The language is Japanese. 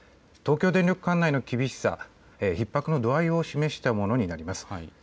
東京電力管内の厳しさ、ひっ迫の度合いを示したものになります。